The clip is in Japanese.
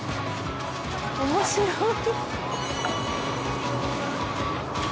面白い。